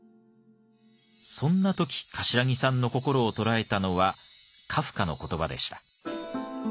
そんな時頭木さんの心を捉えたのはカフカの言葉でした。